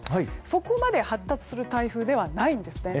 そこまで発達する台風ではないんですね。